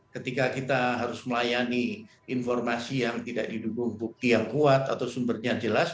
ketika kita harus melayani informasi yang tidak didukung bukti yang kuat atau sumbernya jelas